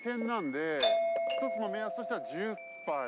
なんで１つの目安としては１０杯。